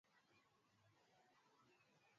Linalofahamika katika nchi za Uganda na Rwanda